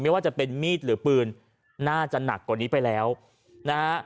ไม่ว่าจะเป็นมีดหรือปืนน่าจะหนักกว่านี้ไปแล้วนะฮะ